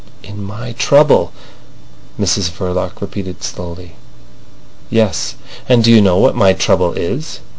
"In my trouble!" Mrs Verloc repeated slowly. "Yes." "And do you know what my trouble is?"